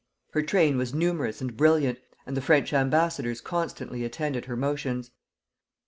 Her train was numerous and brilliant, and the French ambassadors constantly attended her motions.